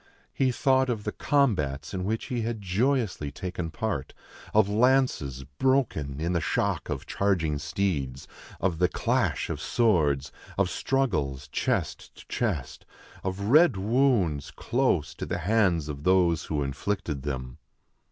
He thought of the combats in which he had joyously taken part : of lances broken in the shock of charging steeds ; of the clash of swords ; of struggles, chest to chest ; of red wounds, close to the hands of those who inflicted them.